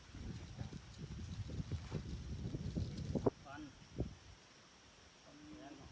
มี้นี่อะนี่มีกลางครับที่หน้าที่สหก